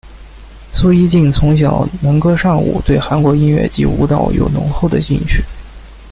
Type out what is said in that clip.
苏一晋从小能歌善舞对韩国音乐及舞蹈有浓厚的兴趣。